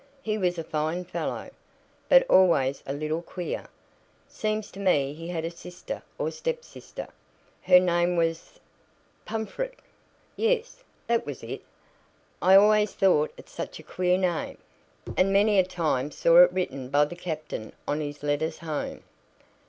"He was a fine fellow, but always a little queer. Seems to me he had a sister or step sister. Her name was Pumfret. Yes, that was it. I always thought it such a queer name, and many a time saw it written by the captain on his letters home."